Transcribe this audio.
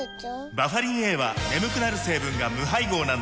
バファリンＡは眠くなる成分が無配合なんです